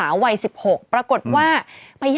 เมื่อ